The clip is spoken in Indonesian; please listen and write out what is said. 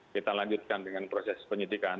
kita lanjutkan dengan proses penyidikan